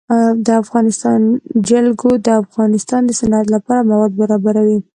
د افغانستان جلکو د افغانستان د صنعت لپاره مواد برابروي.